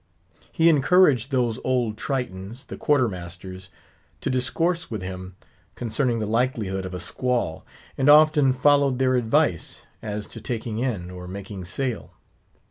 He encouraged those old Tritons, the Quarter masters, to discourse with him concerning the likelihood of a squall; and often followed their advice as to taking in, or making sail.